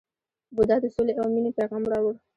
بودا د سولې او مینې پیغام راوړ.